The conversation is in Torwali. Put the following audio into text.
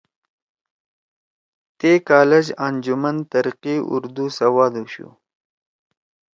تے کالج انجمن ترقی اردو سوادُوشُو